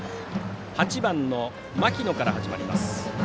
８番、牧野から始まります。